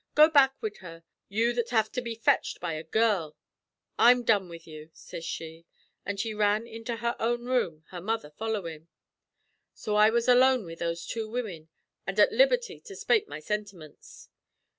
Go back wid her, you that have to be fetched by a girl! I'm done with you,' sez she; and she ran into her own room, her mother followin'. So I was alone with those two women, and at liberty to spake me sintiments.